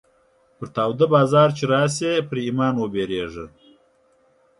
پر تا وده بازار چې راسې ، پر ايمان وبيرېږه.